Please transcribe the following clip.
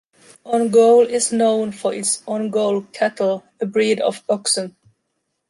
Ongole is known for its "Ongole cattle", a breed of oxen.